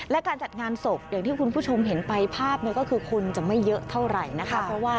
และการจัดงานศพอย่างที่คุณผู้ชมเห็นไปภาพก็คือคนจะไม่เยอะเท่าไหร่นะคะ